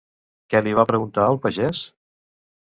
Què li va preguntar al pagès?